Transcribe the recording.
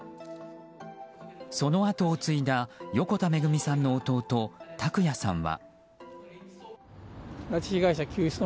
その後を継いだ横田めぐみさんの弟拓也さんは。